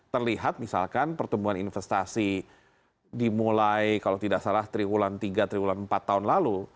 terlihat misalkan pertumbuhan investasi dimulai kalau tidak salah triwulan tiga triwulan empat tahun lalu